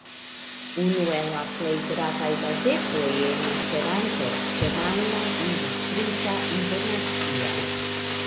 Unu el la plej gravaj gazetoj en Esperanto, semajna, ilustrita, internacia.